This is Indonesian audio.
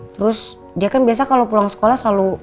terus dia kan biasa kalau pulang sekolah selalu